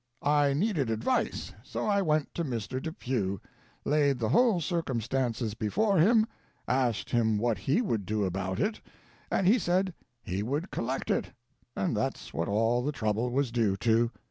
I needed advice, so I went to Mr. Depew, laid the whole circumstances before him, asked him what he would do about it, and he said he would collect it. and that's what all the trouble was due to.